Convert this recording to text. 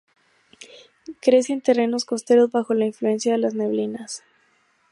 Crece en terrenos costeros bajo la influencia de las neblinas.